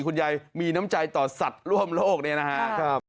คุณยายมีน้ำใจต่อสัตว์ร่วมโลกเนี่ยนะครับ